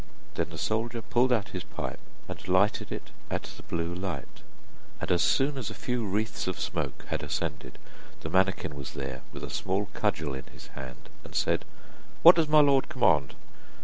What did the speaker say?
Then the soldier pulled out his pipe and lighted it at the blue light, and as soon as a few wreaths of smoke had ascended, the manikin was there with a small cudgel in his hand, and said: 'What does my lord command?